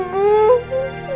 nada aku sangat